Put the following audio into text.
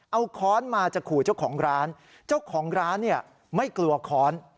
เอาค้อนมาจะขู่เจ้าของร้านเจ้าของร้านเนี่ยไม่กลัวค้อน